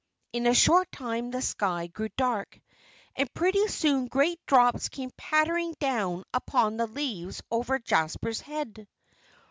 In a short time the sky grew dark. And pretty soon great drops came pattering down upon the leaves over Jasper's head.